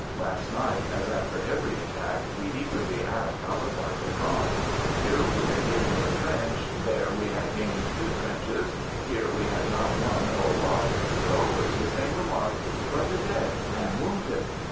Last night (as after every attack) we eagerly asked how the fight had gone — here we had gained a trench — there we had gained two trenches — here we had not won or lost — but always the same remark, "But the dead and wounded!"